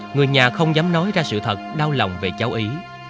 người nhà không dám nói ra sự thật đau lòng về cháu ý